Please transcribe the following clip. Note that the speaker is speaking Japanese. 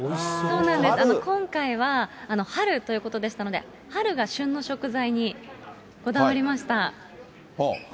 そうなんです、今回は春ということでしたので、春が旬の食材にこだわりました。